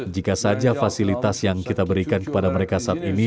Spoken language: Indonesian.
jika saja fasilitas yang kita berikan kepada mereka saat ini